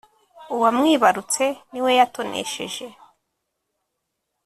Uwamwibarutse ni we yatonesheje.